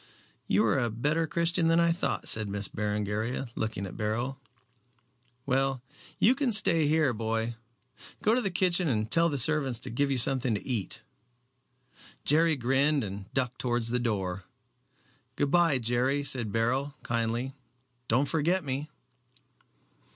"You are a better Christian than I thought," said Miss Berengaria, looking at Beryl. "Well, you can stay here, boy. Go to the kitchen and tell the servants to give you something to eat." Jerry grinned, and ducked towards the door. "Good bye, Jerry," said Beryl, kindly. "Don't forget me."